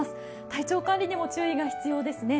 体調管理にも注意が必要ですね。